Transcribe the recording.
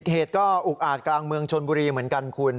เหตุก็อุกอาจกลางเมืองชนบุรีเหมือนกันคุณ